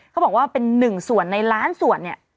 เขาบอกว่าเป็นหนึ่งส่วนในล้านส่วนเนี่ย